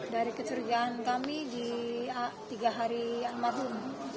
dari kecurigaan kami di tiga hari almarhum